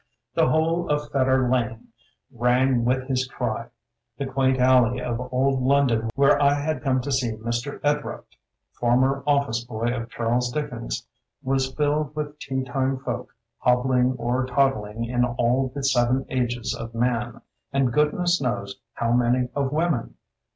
The whole of Fetter Lane rang with his cry. The quaint alley of old Lon don where I had come to see Mr. Ed rupt, former office boy of Charles Dickens, was filled with teatime folk hobbling or toddling in all the seven ages of man, and goodness knows how many of women.